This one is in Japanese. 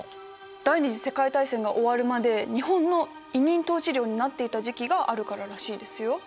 第二次世界大戦が終わるまで日本の委任統治領になっていた時期があるかららしいですよ。